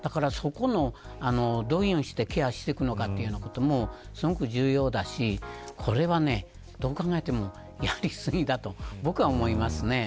そこをどうやってケアしていくのかということも重要だしこれは、どう考えてもやりすぎだと、僕は思いますね。